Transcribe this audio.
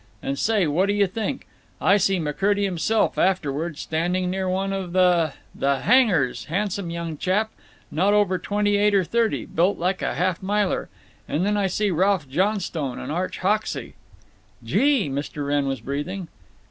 And, say, what do you think? I see McCurdy himself, afterward, standing near one of the—the handgars—handsome young chap, not over twenty eight or thirty, built like a half miler. And then I see Ralph Johnstone and Arch Hoxey—" "Gee!" Mr. Wrenn was breathing.